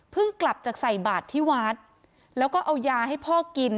กลับจากใส่บาทที่วัดแล้วก็เอายาให้พ่อกิน